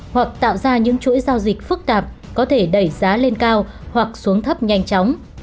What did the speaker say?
hoặc tạo ra những chuỗi giao dịch phức tạp có thể đẩy giá lên cao hoặc xuống thấp nhanh chóng